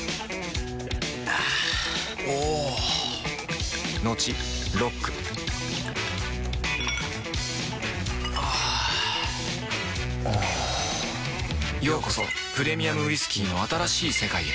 あぁおぉトクトクあぁおぉようこそプレミアムウイスキーの新しい世界へ